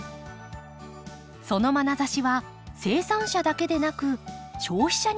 そのまなざしは生産者だけでなく消費者にも向けられています。